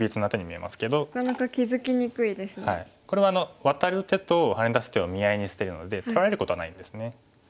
これはワタる手とハネ出す手を見合いにしているので取られることはないんですね。